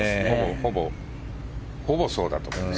ほぼ、そうだと思います。